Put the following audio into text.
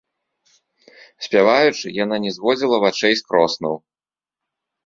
Спяваючы, яна не зводзіла вачэй з кроснаў.